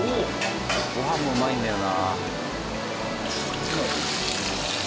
ご飯もうまいんだよな。